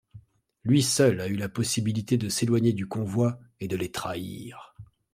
Lui seul a eu la possibilité de s'éloigner du convoi et de les trahir.